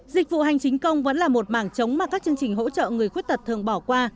dịch vụ hành chính công vẫn là một mảng chống mà các chương trình hỗ trợ người khuyết tật thường bỏ qua